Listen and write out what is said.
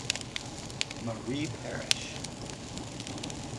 Marie Parish